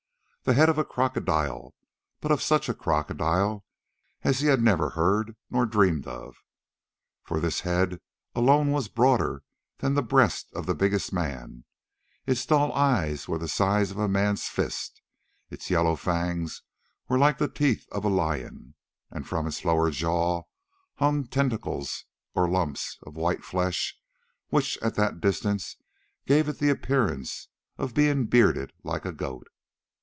The head of a crocodile, but of such a crocodile as he had never heard or dreamed of, for this head alone was broader than the breast of the biggest man, its dull eyes were the size of a man's fist, its yellow fangs were like the teeth of a lion, and from its lower jaw hung tentacles or lumps of white flesh which at that distance gave it the appearance of being bearded like a goat.